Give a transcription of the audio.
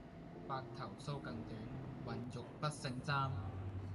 白頭搔更短，渾欲不勝簪